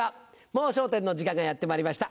『もう笑点』の時間がやってまいりました。